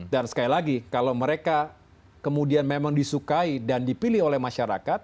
dan sekali lagi kalau mereka kemudian memang disukai dan dipilih oleh masyarakat